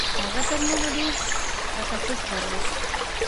هغه تر نورو ډېر تخصص درلود.